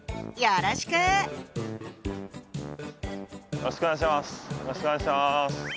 よろしくお願いします。